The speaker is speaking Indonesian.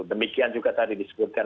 demikian juga tadi disebutkan